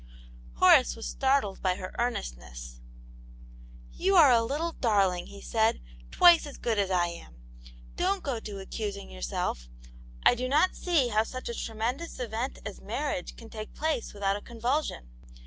Horace was startled by her earnestness. " You are a little darling," he said ;" twice as good as I am. Don't go to accusing yourself. I do not see how such a tremendous event as marriage can take place without a convulsion.